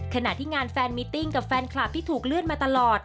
ขณะที่งานแฟนมิติ้งกับแฟนคลับที่ถูกเลื่อนมาตลอด